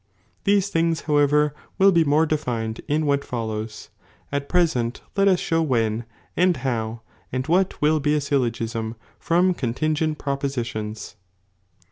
These tilings however will be more defined in what follows,' at present let us show „\,c, when and how and what will be a syllogism from of i" contingent propositions.